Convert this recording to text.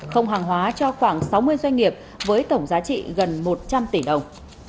không hàng hóa cho khoảng sáu mươi doanh nghiệp với tổng giá trị gần một trăm linh tỷ đồng